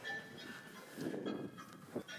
litashughulikiwa ipasavyo wale wote